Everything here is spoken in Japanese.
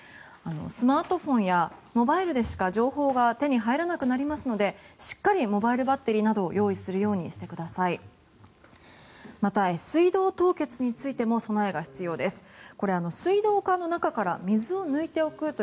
スマートフォンやモバイルでしか情報が手に入らなくなりますのでしっかりモバイルバッテリーなど用意するようにしてください。